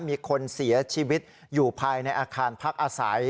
มีคนเสียชีวิตอยู่ภายในอาคารพักอาศัย